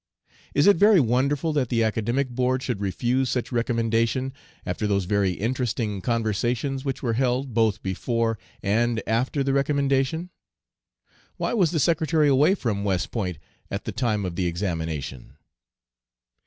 Is it very wonderful that the Academic Board should refuse such recommendation after those very interesting conversations which were held 'both before and after the recommendation?' Why was the secretary away from West Point at the time of the examination.